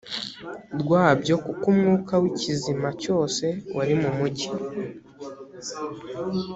rwabyo kuko umwuka w ikizima cyose wari mu mujyi